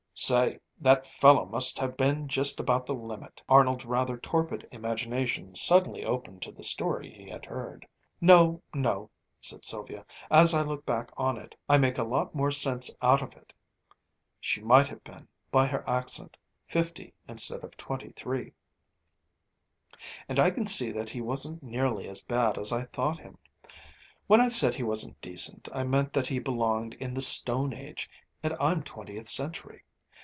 "Say, that fellow must have been just about the limit!" Arnold's rather torpid imagination suddenly opened to the story he had heard. "No, no!" said Sylvia. "As I look back on it, I make a lot more sense out of it" (she might have been, by her accent, fifty instead of twenty three), "and I can see that he wasn't nearly as bad as I thought him. When I said he wasn't decent, I meant that he belonged in the Stone Age, and I'm twentieth century.